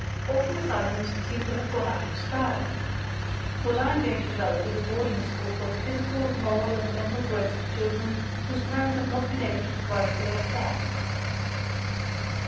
Orphan asylums have gone out of style. What I am going to develop is a boarding school for the physical, moral, and mental growth of children whose parents have not been able to provide for their care.